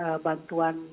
dengan bantuan dari pusat